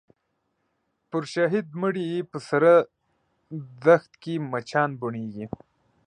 پر شهید مړي یې په سره دښت کي مچان بوڼیږي